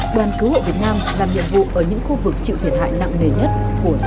đoàn cứu hộ việt nam làm nhiệm vụ ở những khu vực chịu thiệt hại nặng nề nhất của